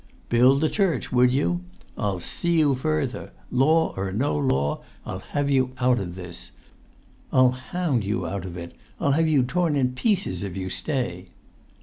Build the church, would you? I'll see you further! Law or no law, I'll have you out of this! I'll hound you out of it! I'll have you torn in pieces if you stay!"